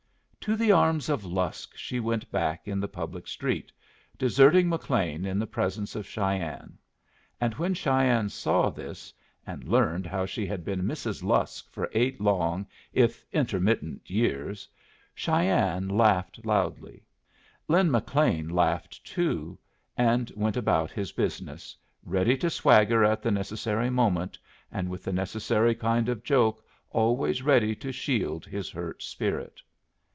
To the arms of Lusk she went back in the public street, deserting McLean in the presence of Cheyenne; and when Cheyenne saw this, and learned how she had been Mrs. Lusk for eight long, if intermittent, years, Cheyenne laughed loudly. Lin McLean laughed, too, and went about his business, ready to swagger at the necessary moment, and with the necessary kind of joke always ready to shield his hurt spirit.